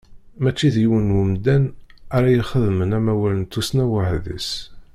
Mačči d yiwen n wemdan ara ixedmen amawal n tussna weḥd-s.